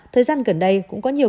thời gian gần đây cũng có nhiều